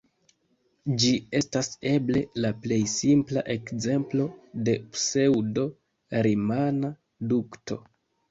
Ĝi estas eble la plej simpla ekzemplo de pseŭdo-rimana dukto.